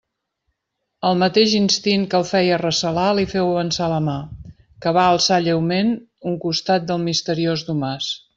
El mateix instint que el feia recelar li féu avançar la mà, que va alçar lleument un costat del misteriós domàs.